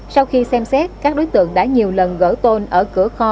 sau khi xem xét các đối tượng đã nhiều lần gỡ tôn ở cửa kho